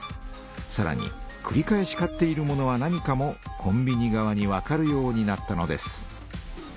さらにくり返し買っているものは何かもコンビニ側にわかるようになったのです。